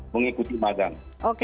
mengikuti magang oke